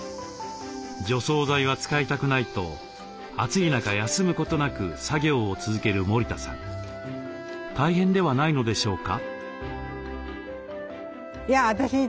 除草剤は使いたくないと暑い中休むことなく作業を続ける森田さん大変ではないのでしょうか？